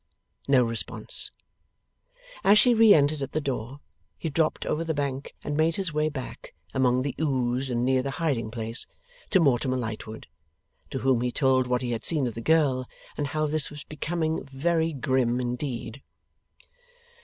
No response. As she re entered at the door, he dropped over the bank and made his way back, among the ooze and near the hiding place, to Mortimer Lightwood: to whom he told what he had seen of the girl, and how this was becoming very grim indeed.